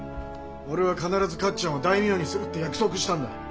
俺は必ず勝ちゃんを大名にするって約束したんだ。